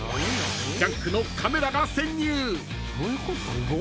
［『ジャンク』のカメラが］